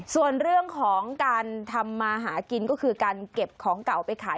ส่วนเรื่องของการทำมาหากินก็คือการเก็บของเก่าไปขาย